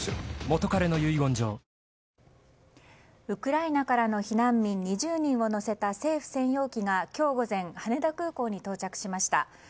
ウクライナからの避難民２０人を乗せた政府専用機が今日午前羽田空港に到着しました。